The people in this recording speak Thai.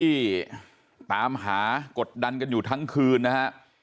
ที่ตามหากดดันกันอยู่ทั้งคืนนะฮะ